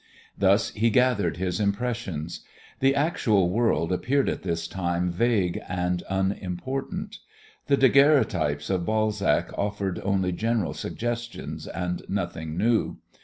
Thus he gathered his impressions. The actual world appeared at this time vague and unimportant. The daguerreotypes of Balzac offered only general suggestions and nothing new.